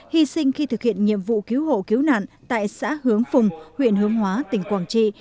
hy sinh khi thực hiện nhiệm vụ cứu hộ cứu nạn tại xã hướng phùng huyện hướng hóa tỉnh quảng trị